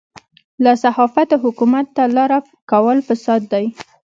له صحافته حکومت ته لاره کول فساد دی.